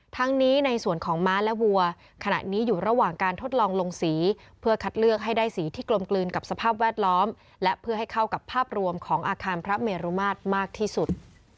ทั้งนี้ในส่วนของม้าและวัวขณะนี้อยู่ระหว่างการทดลองลงสีเพื่อคัดเลือกให้ได้สีที่กลมกลืนกับสภาพแวดล้อมและเพื่อให้เข้ากับภาพรวมของอาคารพระเมรุมาตรมากที่สุด